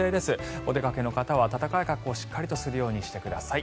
お出かけの方は暖かい格好をするようにしてください。